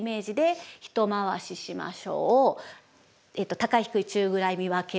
高い低い中ぐらい見分ける。